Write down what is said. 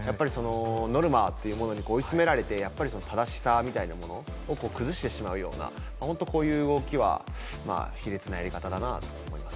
ノルマというものに追い詰められて、正しさみたいなものを崩してしまうとか、こういう動きは卑劣なやり方だなと思います。